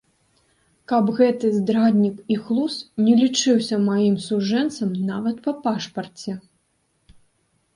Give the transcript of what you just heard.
Каб гэты здраднік і хлус не лічыўся маім сужэнцам нават па пашпарце!